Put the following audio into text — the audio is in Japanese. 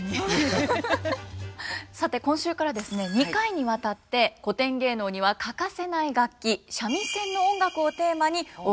さて今週からですね２回にわたって古典芸能には欠かせない楽器三味線の音楽をテーマにお送りいたします。